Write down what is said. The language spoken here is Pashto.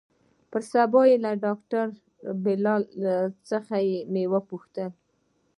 پر سبا يې له ډاکتر بلال څخه مې وپوښتل.